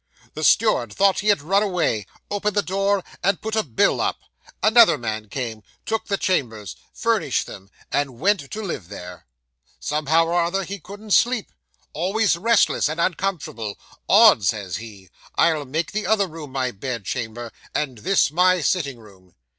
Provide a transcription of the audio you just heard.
The steward thought he had run away: opened the door, and put a bill up. Another man came, took the chambers, furnished them, and went to live there. Somehow or other he couldn't sleep always restless and uncomfortable. "Odd," says he. "I'll make the other room my bedchamber, and this my sitting room."